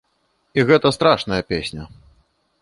І гэта страшная песня.